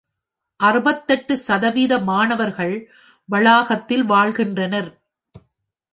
அறுபத்தெட்டு சதவீத மாணவர்கள் வளாகத்தில் வாழ்கின்றனர்.